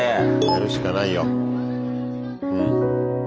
やるしかないよ。